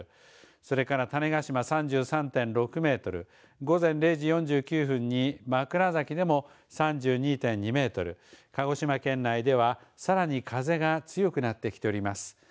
それから種子島３３．６メートル、午前０時４９分に枕崎でも３２．２メートル、鹿児島県内ではさらに風が強くなってきております。